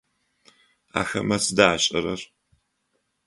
Ахэмэ сыда ашӏэрэр?